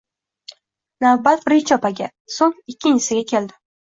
Navbat birinchi opaga, soʻng ikkinchisiga keldi